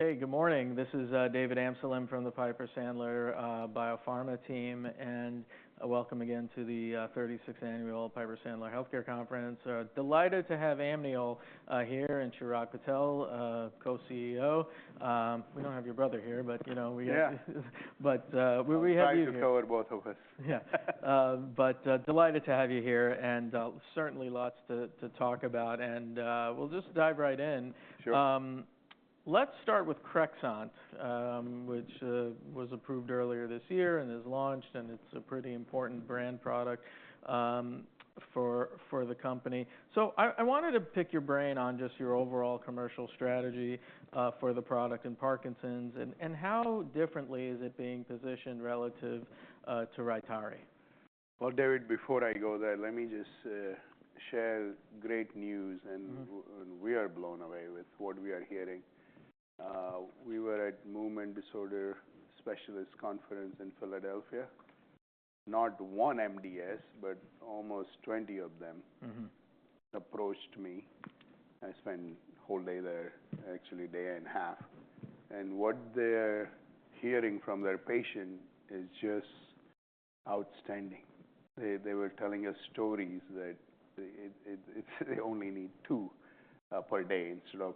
Hey, good morning. This is David Amsellem from the Piper Sandler Biopharma team, and welcome again to the 36th Annual Piper Sandler Healthcare Conference. Delighted to have Amneal here and Chirag Patel, Co-CEO. We don't have your brother here, but you know we have you. Yeah. But we have you. We're fine to go ahead with both of us. Yeah, but delighted to have you here, and certainly lots to talk about. We'll just dive right in. Sure. Let's start with Crexont, which was approved earlier this year and is launched, and it's a pretty important brand product for the company. So I wanted to pick your brain on just your overall commercial strategy for the product in Parkinson's, and how differently is it being positioned relative to Rytary? David, before I go there, let me just share great news, and we are blown away with what we are hearing. We were at Movement Disorder Specialists Conference in Philadelphia. Not one MDS, but almost 20 of them approached me. I spent a whole day there, actually a day and a half. What they're hearing from their patient is just outstanding. They were telling us stories that they only need two per day instead of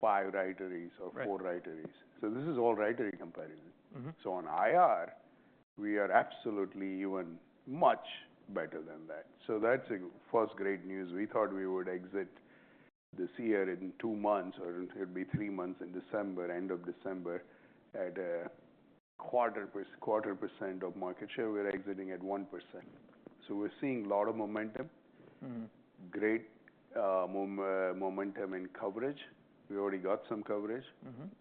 five Rytary or four Rytary. This is all Rytary comparison. On IR, we are absolutely even much better than that. That's first great news. We thought we would exit this year in two months, or it'll be three months in December, end of December, at 0.25% of market share. We're exiting at 1%. We're seeing a lot of momentum, great momentum in coverage. We already got some coverage.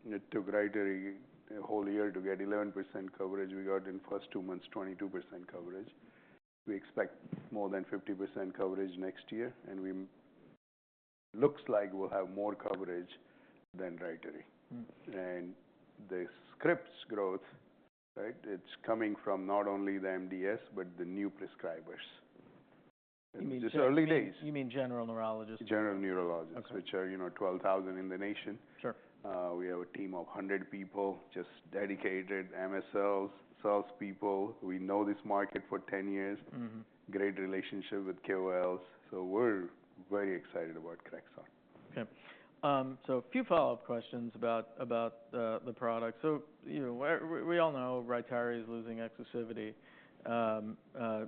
It took Rytary a whole year to get 11% coverage. We got in the first two months 22% coverage. We expect more than 50% coverage next year, and it looks like we'll have more coverage than Rytary. And the scripts growth, right, it's coming from not only the MDS, but the new prescribers. You mean general? Just early days. You mean general neurologists? General neurologists, which are 12,000 in the nation. Sure. We have a team of 100 people, just dedicated MSLs, salespeople. We know this market for 10 years, great relationship with KOLs. So we're very excited about Crexont. Okay. So a few follow-up questions about the product. So we all know Rytary is losing exclusivity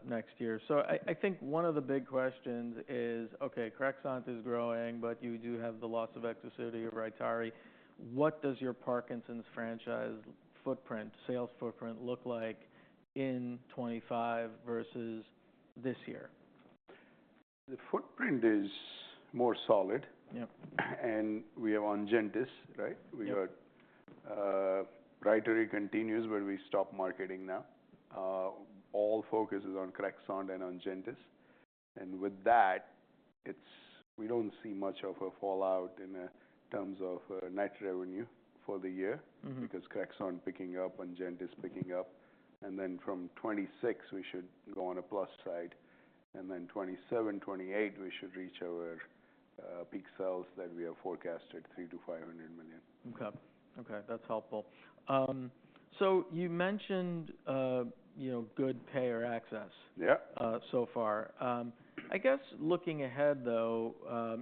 next year. So I think one of the big questions is, okay, Crexont is growing, but you do have the loss of exclusivity of Rytary. What does your Parkinson's franchise footprint, sales footprint look like in 2025 versus this year? The footprint is more solid. Yep. We have Ongentys, right? Yep. We got Rytary continues, but we stopped marketing now. All focus is on Crexont and Ongentys. With that, we don't see much of a fallout in terms of net revenue for the year because Crexont is picking up. Ongentys is picking up. Then from 2026, we should go on a plus side. Then 2027, 2028, we should reach our peak sales that we have forecasted, $300-$500 million. Okay. Okay. That's helpful. So you mentioned good payer access. Yeah. So far. I guess looking ahead, though,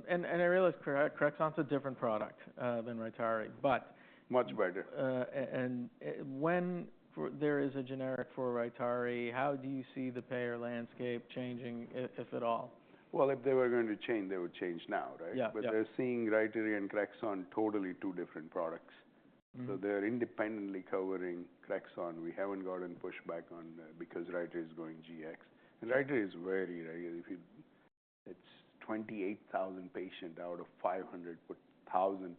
and I realize Crexont is a different product than Rytary, but. Much better. When there is a generic for Rytary, how do you see the payer landscape changing, if at all? If they were going to change, they would change now, right? Yeah. But they're seeing Rytary and Crexont totally two different products. So they're independently covering Crexont. We haven't gotten pushback on that because Rytary is going GX. And Rytary is very, it's 28,000 patients out of 500,000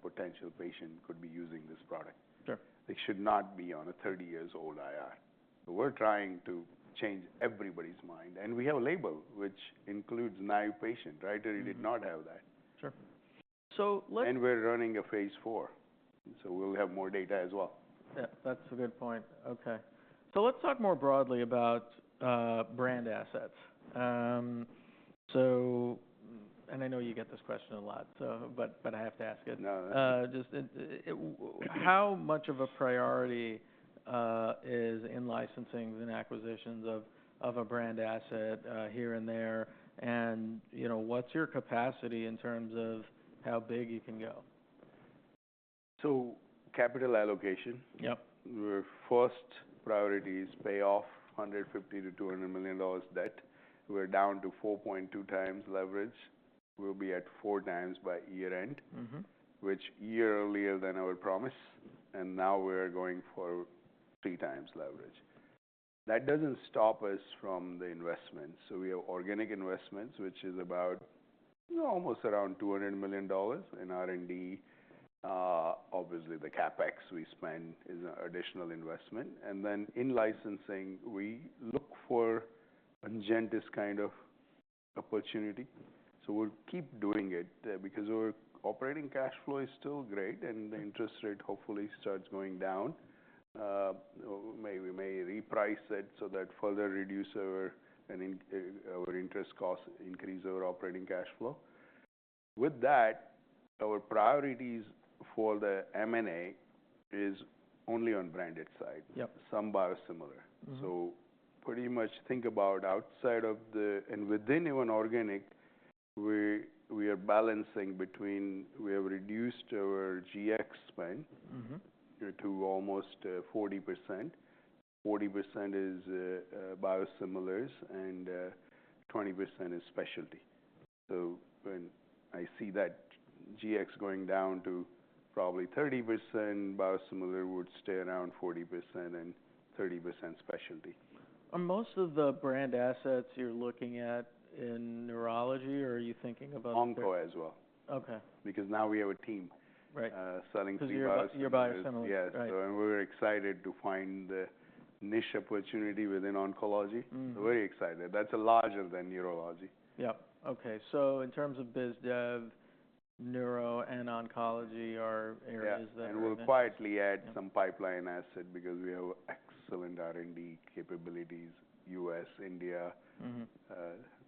potential patients could be using this product. Sure. They should not be on a 30-year-old IR. So we're trying to change everybody's mind. And we have a label which includes naive patient. Rytary did not have that. Sure, so let's. We're running a phase four. We'll have more data as well. Yeah. That's a good point. Okay. So let's talk more broadly about brand assets, and I know you get this question a lot, but I have to ask it. No, that's fine. Just how much of a priority is in licensing and acquisitions of a brand asset here and there? And what's your capacity in terms of how big you can go? Capital allocation. Yep. Our first priority is to pay off $150-$200 million debt. We're down to 4.2 times leverage. We'll be at four times by year-end, which is a year earlier than our promise, and now we're going for three times leverage. That doesn't stop us from the investments, so we have organic investments, which is about almost around $200 million in R&D. Obviously, the CapEx we spend is an additional investment, and then in licensing, we look for Ongentys kind of opportunity. So we'll keep doing it because our operating cash flow is still great, and the interest rate hopefully starts going down. We may reprice it so that further reduces our interest costs, increases our operating cash flow. With that, our priorities for the M&A is only on the branded side. Yep. Some biosimilar. So pretty much think about outside of the R&D and within, even in organic, we are balancing between, we have reduced our GX spend to almost 40%. 40% is biosimilars and 20% is specialty. So when I see that GX going down to probably 30%, biosimilar would stay around 40% and 30% specialty. Are most of the brand assets you're looking at in neurology, or are you thinking about? Onco as well. Okay. Because now we have a team selling three biosimilars. Right, so your biosimilars. Yes. And we're excited to find the niche opportunity within oncology. We're excited. That's larger than neurology. Yep. Okay. So in terms of biz dev, neuro and oncology are areas that. Yes, and we'll quietly add some pipeline asset because we have excellent R&D capabilities, U.S., India,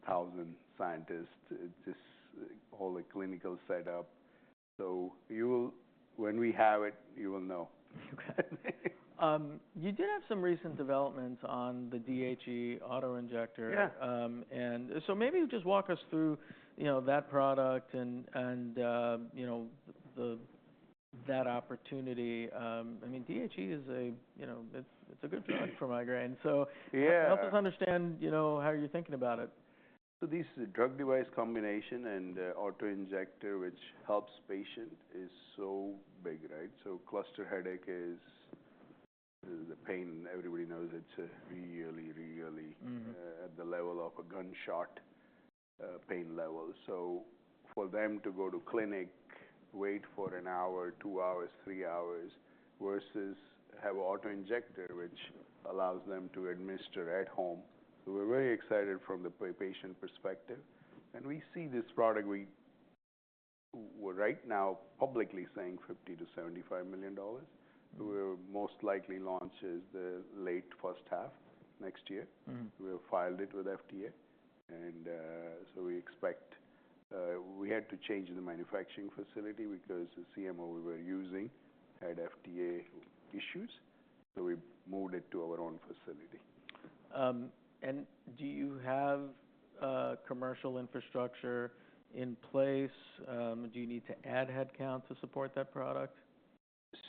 thousand scientists, just all the clinical setup, so when we have it, you will know. Okay. You did have some recent developments on the DHE auto injector. Yeah. And so maybe you just walk us through that product and that opportunity. I mean, DHE is a, it's a good drug for migraines. So help us understand how you're thinking about it. So this drug-device combination and auto injector, which helps patients, is so big, right? So cluster headache is the pain. Everybody knows it's really, really at the level of a gunshot pain level. So for them to go to clinic, wait for an hour, two hours, three hours versus have auto injector, which allows them to administer at home. So we're very excited from the patient perspective. And we see this product. We're right now publicly saying $50-$75 million. We're most likely launching the late first half next year. We have filed it with FDA. And so we expect we had to change the manufacturing facility because the CMO we were using had FDA issues. So we moved it to our own facility. Do you have commercial infrastructure in place? Do you need to add headcount to support that product?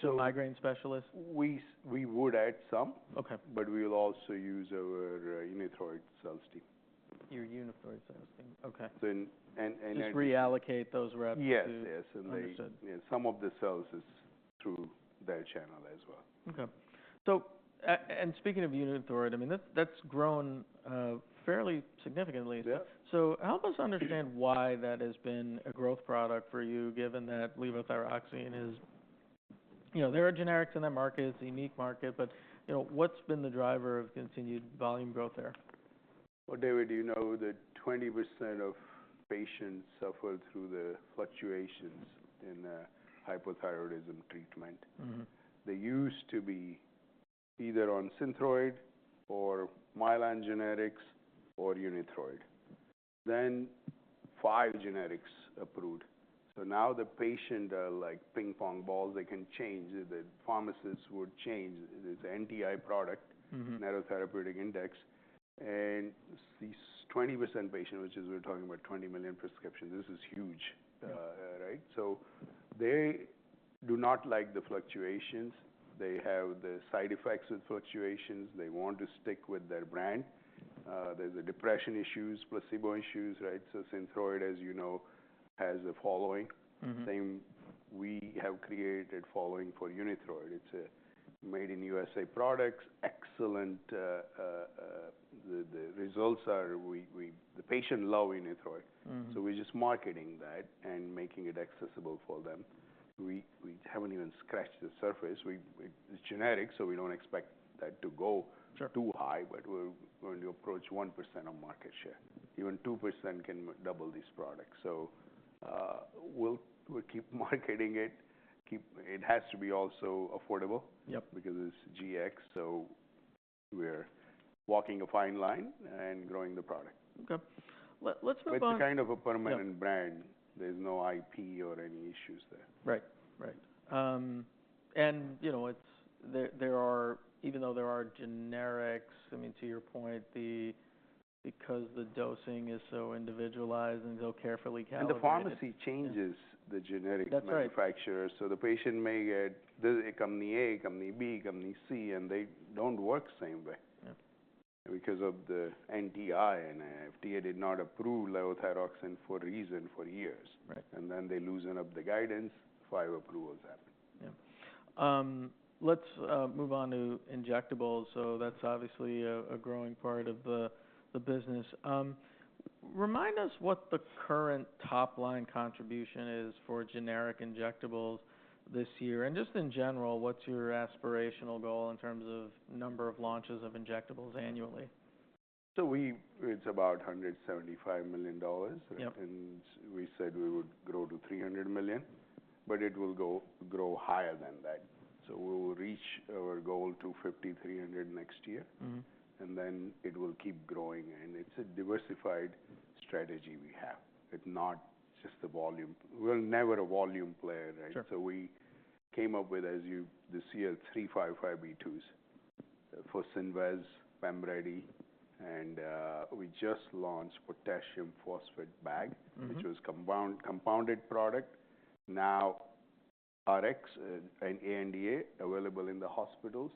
So. Migraine specialists? We would add some. Okay. But we will also use our Unithroid sales team. Your Unithroid sales team. Okay. And. Just reallocate those reps. Yes. Yes. To—understood. And some of the sales is through that channel as well. Okay, and speaking of Unithroid, I mean, that's grown fairly significantly. Yeah. Help us understand why that has been a growth product for you, given that levothyroxine is, there are generics in that market. It's a unique market. What's been the driver of continued volume growth there? David, you know that 20% of patients suffer through the fluctuations in hypothyroidism treatment. They used to be either on Synthroid or Mylan generics or Unithroid. Then five generics approved. So now the patients are like ping-pong balls. They can change. The pharmacists would change this NTI product, narrow therapeutic index. And these 20% patients, which we're talking about 20 million prescriptions, this is huge, right? So they do not like the fluctuations. They have the side effects with fluctuations. They want to stick with their brand. There's the depression issues, placebo issues, right? So Synthroid, as you know, has a following. We have created a following for Unithroid. It's a made-in-USA product. Excellent. The results are the patients love Unithroid. So we're just marketing that and making it accessible for them. We haven't even scratched the surface. It's generic, so we don't expect that to go too high, but we're going to approach 1% of market share. Even 2% can double this product. So we'll keep marketing it. It has to be also affordable because it's GX. So we're walking a fine line and growing the product. Okay. Let's move on. But it's kind of a permanent brand. There's no IP or any issues there. Right. Right, and even though there are generics, I mean, to your point, because the dosing is so individualized and so carefully calibrated. The pharmacy changes the generic manufacturers. That's right. So the patient may get company A, company B, company C, and they don't work the same way because of the NTI, and FDA did not approve levothyroxine for a reason for years. Right. And then they loosen up the guidance. Five approvals happen. Yeah. Let's move on to injectables. So that's obviously a growing part of the business. Remind us what the current top-line contribution is for generic injectables this year. And just in general, what's your aspirational goal in terms of number of launches of injectables annually? It's about $175 million. Yep. We said we would grow to $300 million, but it will grow higher than that. We will reach our goal to $50, $300 next year. Then it will keep growing. It's a diversified strategy we have. It's not just the volume. We're never a volume player, right? Sure. So we came up with, as you see here, three 505(b)(2)s for Focinvez, Pemrydi, and we just launched potassium phosphate bag, which was a compounded product. Now RX and ANDA available in the hospitals.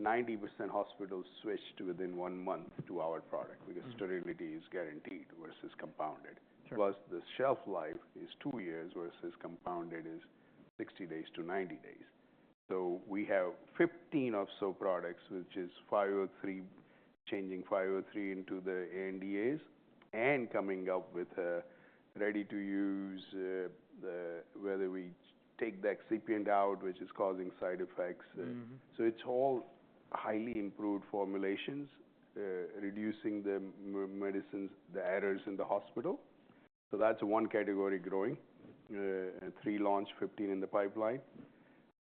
90% hospitals switched within one month to our product because sterility is guaranteed versus compounded. Sure. Plus, the shelf life is two years versus compounded, which is 60 days to 90 days. So we have 15 of such products, which is 503, changing 503 into the ANDAs and coming up with a ready-to-use, whether we take the excipient out, which is causing side effects. So it's all highly improved formulations, reducing the medicines, the errors in the hospital. So that's one category growing. Three launched, 15 in the pipeline.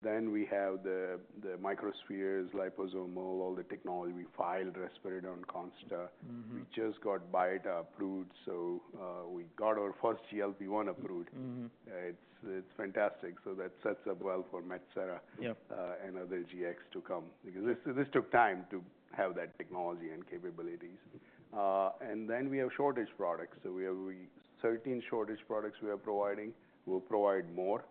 Then we have the microspheres, liposomal, all the technology we filed, Risperdal Consta. We just got Byetta approved. So we got our first GLP-1 approved. It's fantastic. So that sets up well for Metsera and other GX to come because this took time to have that technology and capabilities. And then we have shortage products. So we have 13 shortage products we are providing. We'll provide more.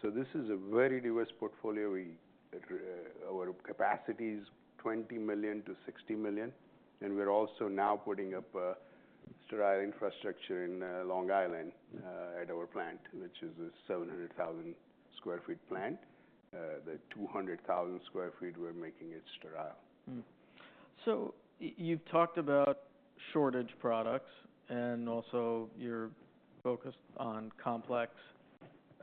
So this is a very diverse portfolio. Our capacity is 20 million to 60 million, and we're also now putting up a sterile infrastructure in Long Island at our plant, which is a 700,000 sq ft plant. The 200,000 sq ft, we're making it sterile. So you've talked about shortage products and also you're focused on complex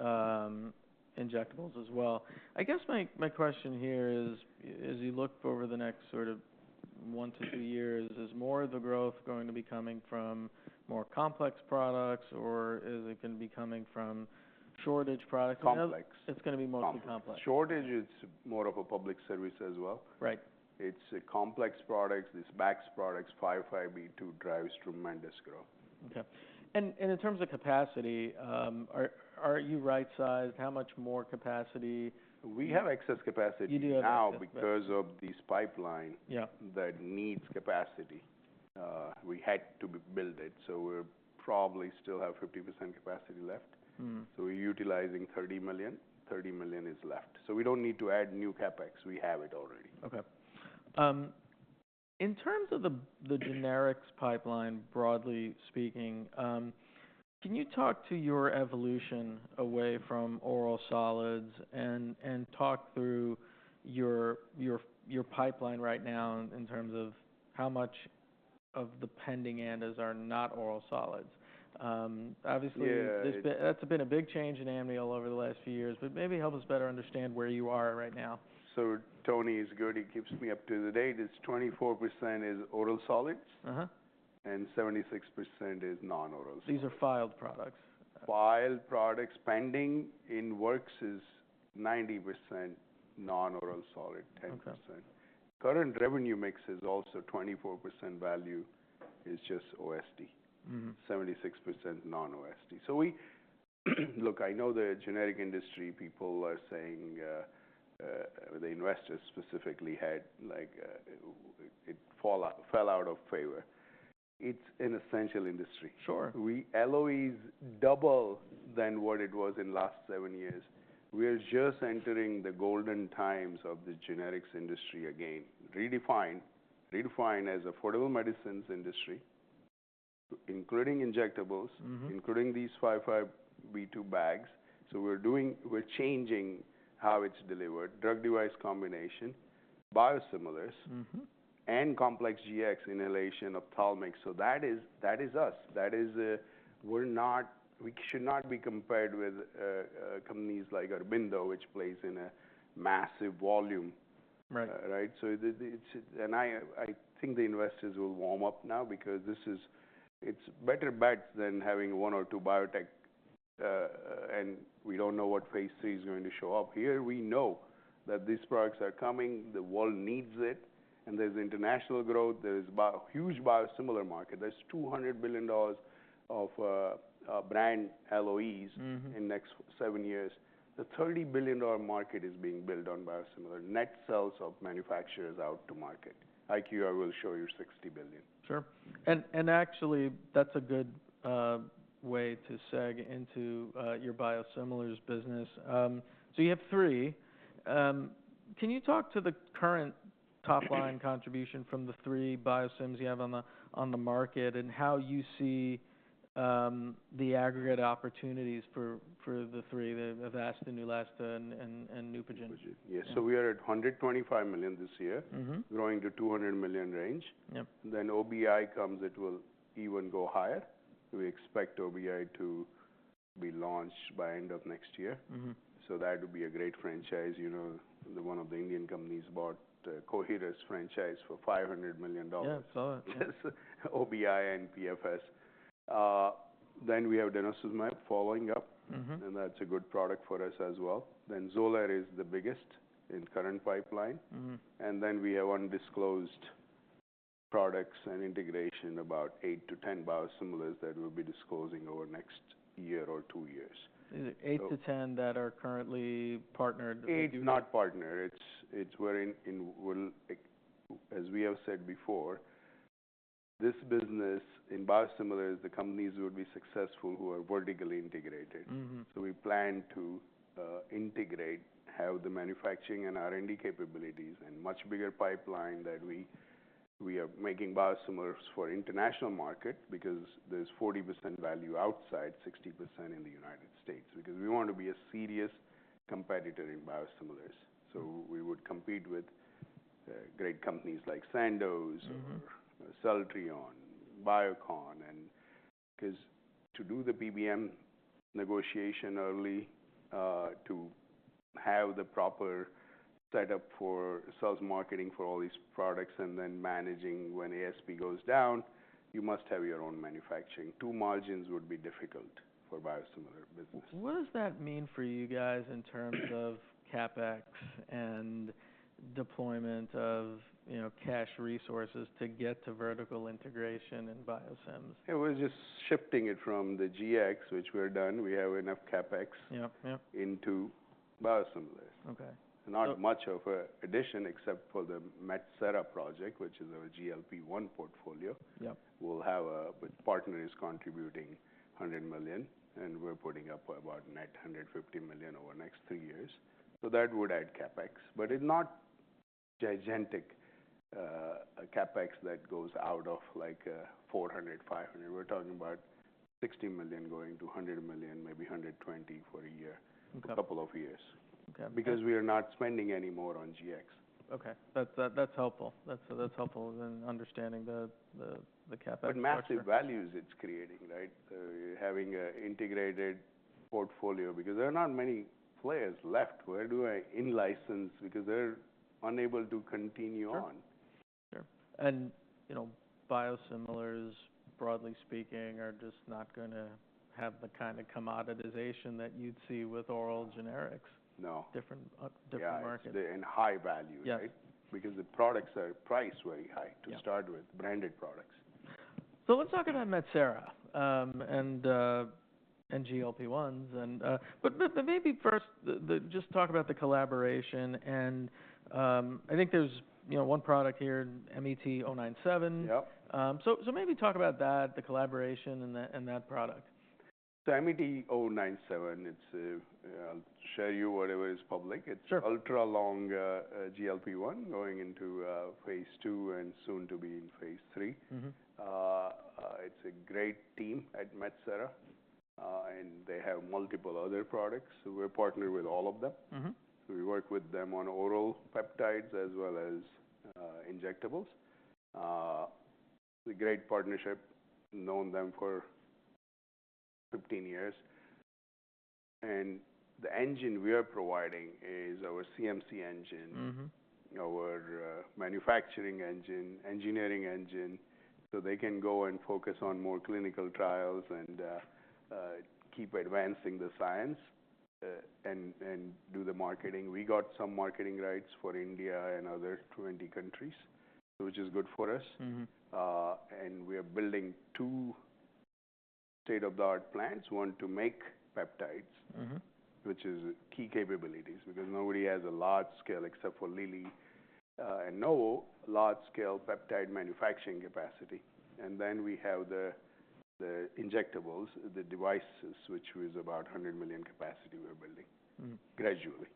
injectables as well. I guess my question here is, as you look over the next sort of one to two years, is more of the growth going to be coming from more complex products, or is it going to be coming from shortage products? Complex. It's going to be mostly complex. Shortage, it's more of a public service as well. Right. It's complex products, these 505(b)(2) products, 505(b)(2) drives tremendous growth. Okay. And in terms of capacity, are you right-sized? How much more capacity? We have excess capacity now because of this pipeline that needs capacity. We had to build it. So we probably still have 50% capacity left. So we're utilizing 30 million. 30 million is left. So we don't need to add new CapEx. We have it already. Okay. In terms of the generics pipeline, broadly speaking, can you talk to your evolution away from oral solids and talk through your pipeline right now in terms of how much of the pending ANDAs are not oral solids? Obviously, that's been a big change in Amneal over the last few years, but maybe help us better understand where you are right now. So Tony is good. He keeps me up to date. It's 24% is oral solids and 76% is non-oral solids. These are filed products. Filed products pending in works is 90% non-oral solid, 10%. Okay. Current revenue mix is also 24% value is just OSD, 76% non-OSD. So look, I know the generic industry people are saying the investors specifically had like it fell out of favor. It's an essential industry. Sure. LOEs double than what it was in the last seven years. We're just entering the golden times of the generics industry again. Redefine as affordable medicines industry, including injectables, including these 505(b)(2) bags. So we're changing how it's delivered, drug-device combination, biosimilars, and complex GX inhalation ophthalmics. So that is us. We should not be compared with companies like Aurobindo, which plays in a massive volume, right? Right. I think the investors will warm up now because it's better bets than having one or two biotech, and we don't know what phase three is going to show up. Here we know that these products are coming. The world needs it. There's international growth. There is a huge biosimilar market. There's $200 billion of brand LOEs in the next seven years. The $30 billion market is being built on biosimilar, net sales of manufacturers out to market. IQVIA will show you $60 billion. Sure. And actually, that's a good way to segue into your biosimilars business. So you have three. Can you talk to the current top-line contribution from the three biosims you have on the market and how you see the aggregate opportunities for the three, the Avastin, Neulasta, and Neupogen? Neupogen. Yeah. So we are at $125 million this year, growing to $200 million range. Then OBI comes. It will even go higher. We expect OBI to be launched by the end of next year. So that would be a great franchise. One of the Indian companies bought Coherus franchise for $500 million. Yeah. I saw it. Yes. OBI and PFS, then we have Denosumab following up, and that's a good product for us as well, then Xolair is the biggest in the current pipeline, and then we have undisclosed products and integration, about eight to 10 biosimilars that we'll be disclosing over the next year or two years. Is it eight to 10 that are currently partnered with you? It's not partner. As we have said before, this business in biosimilars, the companies would be successful who are vertically integrated. So we plan to integrate, have the manufacturing and R&D capabilities, and much bigger pipeline that we are making biosimilars for the international market because there's 40% value outside, 60% in the United States because we want to be a serious competitor in biosimilars. So we would compete with great companies like Sandoz or Celltrion, Biocon. And because to do the PBM negotiation early, to have the proper setup for sales marketing for all these products and then managing when ASP goes down, you must have your own manufacturing. True margins would be difficult for biosimilar business. What does that mean for you guys in terms of CapEx and deployment of cash resources to get to vertical integration in biosims? It was just shifting it from the GX, which we're done. We have enough CapEx into biosimilars. Okay. Not much of an addition except for the Metsera project, which is our GLP-1 portfolio. Yep. We'll have a partner is contributing $100 million, and we're putting up about net $150 million over the next three years. So that would add CapEx. But it's not gigantic CapEx that goes out of like $400-$500. We're talking about $60 million going to $100 million, maybe $120 million for a year, a couple of years. Okay. Because we are not spending any more on GX. Okay. That's helpful. That's helpful in understanding the CapEx. But massive values it's creating, right? Having an integrated portfolio because there are not many players left. Where do I in-license because they're unable to continue on? Sure. And biosimilars, broadly speaking, are just not going to have the kind of commoditization that you'd see with oral generics. No. Different markets. That's the high value, right? Yes. Because the products are priced very high to start with, branded products. So let's talk about Metsera and GLP-1s. But maybe first, just talk about the collaboration. And I think there's one product here, MET-097. Yep. So maybe talk about that, the collaboration and that product. So MET-097, I'll share with you whatever is public. Sure. It's an ultra-long GLP-1 going into phase two and soon to be in phase three. It's a great team at Metsera, and they have multiple other products, so we're partnered with all of them, so we work with them on oral peptides as well as injectables. It's a great partnership, known them for 15 years, and the engine we are providing is our CMC engine, our manufacturing engine, engineering engine, so they can go and focus on more clinical trials and keep advancing the science and do the marketing. We got some marketing rights for India and other 20 countries, which is good for us, and we are building two state-of-the-art plants, one to make peptides, which is key capabilities because nobody has a large scale except for Lilly and Novo, large scale peptide manufacturing capacity. And then we have the injectables, the devices, which was about $100 million capacity we're building gradually.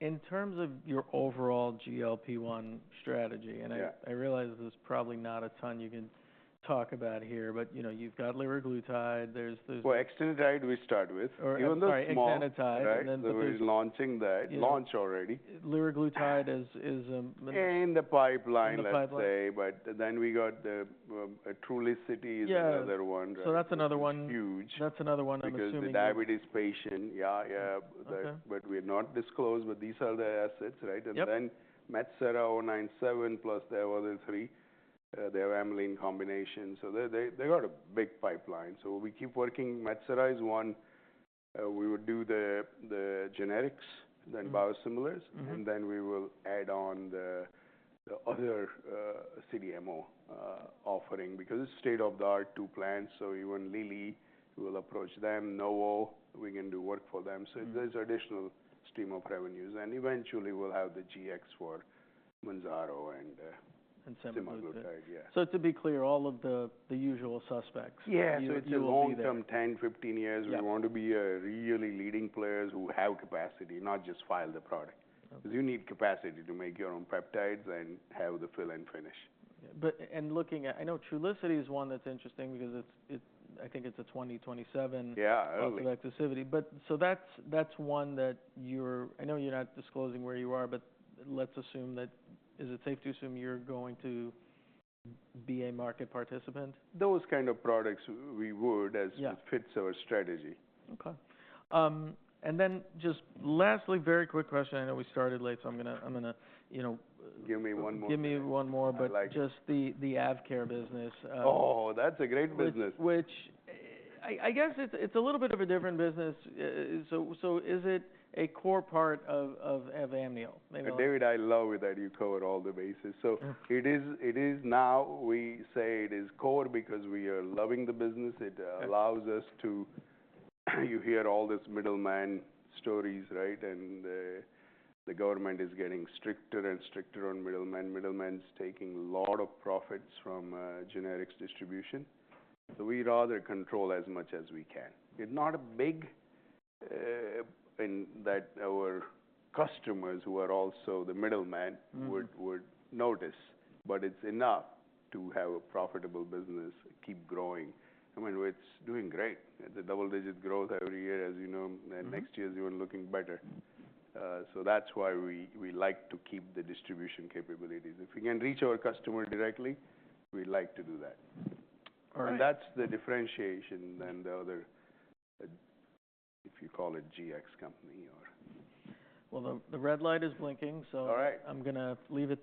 In terms of your overall GLP-1 strategy. Yeah. I realize this is probably not a ton you can talk about here, but you've got liraglutide. There's. Exenatide we start with. Or sorry, exenatide. Extenatide. There's. So we're launching that, launch already. Liraglutide is a. In the pipeline, let's say. In the pipeline. But then we got Trulicity is another one. Yeah. So that's another one. Huge. That's another one, I'm assuming. It's a diabetes patient. Yeah, yeah. Okay. But we're not disclosed, but these are the assets, right? Yep. And then Metsera 097 plus the other three, they have Amneal combination. So they got a big pipeline. So we keep working. Metsera is one. We would do the generics, then biosimilars, and then we will add on the other CDMO offering because it's state-of-the-art two plants. So even Lilly, we'll approach them. Novo, we can do work for them. So there's additional stream of revenues. And eventually, we'll have the GX for Mounjaro and. And semaglutide. Simaglutide, yeah. So to be clear, all of the usual suspects. Yeah. So it's a long-term, 10-15 years. We want to be really leading players who have capacity, not just file the product. Because you need capacity to make your own peptides and have the fill and finish. Looking at, I know Trulicity is one that's interesting because I think it's a 2027. Yeah. Trulicity. But so that's one that you're, I know you're not disclosing where you are, but let's assume that. Is it safe to assume you're going to be a market participant? Those kind of products we would, as it fits our strategy. Okay. And then just lastly, very quick question. I know we started late, so I'm going to. Give me one more question. Give me one more, but just the AvKARE business. Oh, that's a great business. Which I guess it's a little bit of a different business. So is it a core part of Amneal? David, I love that you cover all the bases. So it is now we say it is core because we are loving the business. It allows us to, you hear all these middleman stories, right? And the government is getting stricter and stricter on middlemen. Middlemen are taking a lot of profits from generics distribution. So we rather control as much as we can. It's not a big thing that our customers who are also the middlemen would notice, but it's enough to have a profitable business keep growing. I mean, it's doing great. It's a double-digit growth every year, as you know. And next year's even looking better. So that's why we like to keep the distribution capabilities. If we can reach our customer directly, we'd like to do that. All right. And that's the differentiation from the other, if you call it GX company or. The red light is blinking, so. All right. I'm going to leave it.